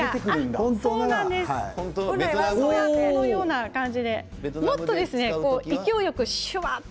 本来はこのような感じでもっと勢いよく、しゅわっと。